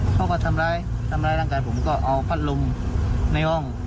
เขาก็ทำร้ายทำร้ายร่างกายผมก็เอาพัดลมในห้อง